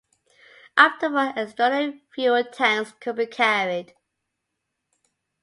Up to four external fuel tanks could be carried.